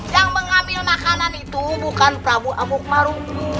yang mengambil makanan itu bukan prabu amukmaru